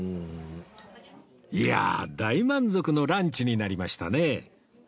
いやあ大満足のランチになりましたね